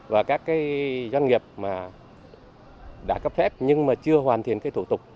và các doanh nghiệp đã cấp phép nhưng chưa hoàn thiện thủ tục